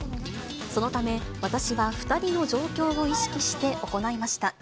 そのため、私は２人の状況を意識して行いました。